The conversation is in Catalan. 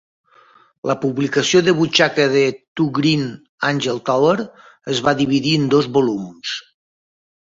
La publicació de butxaca de "To Green Angel Tower" es va dividir en dos volums.